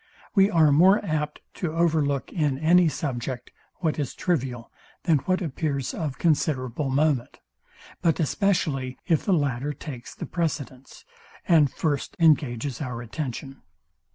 We are more apt to over look in any subject, what is trivial, than what appears of considerable moment; but especially if the latter takes the precedence, and first engages our attention.